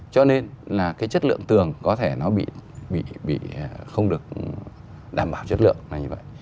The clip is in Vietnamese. cho nên là cái chất lượng tường có thể nó bị không được đảm bảo chất lượng là như vậy